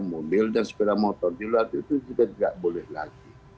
mobil dan sepeda motor di luar itu juga tidak boleh lagi